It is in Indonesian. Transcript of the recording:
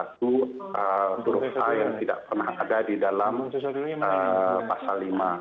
huruf a yang tidak pernah ada di dalam pasal lima